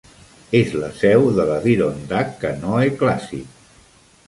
És la seu de l'Adirondack Canoe Classic.